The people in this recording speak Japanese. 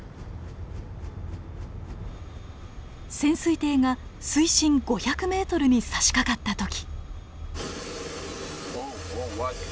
潜水艇が水深５００ｍにさしかかった時。